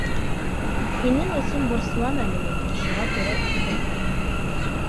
Һинең өсөн борсолам әле мин, шуға күрә иҫкәртәм.